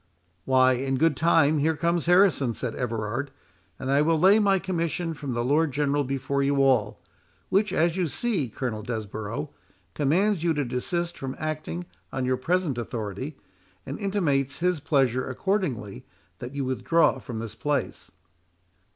"Why, in good time here comes Harrison," said Everard, "and I will lay my commission from the Lord General before you all; which, as you see, Colonel Desborough, commands you to desist from acting on your present authority, and intimates his pleasure accordingly, that you withdraw from this place."